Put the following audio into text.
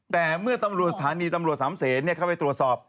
แต่เมื่อฐานีตำรวจสามเศษเข้าไปตรวจสอบ